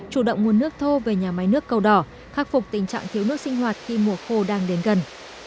chủ động nguồn nước thô về nhà máy nước cầu đỏ khắc phục tình trạng thiếu nước sinh hoạt khi mùa khô đang đến gần